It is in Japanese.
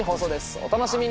お楽しみに！